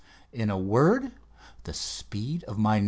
In a word, the speed of my "No.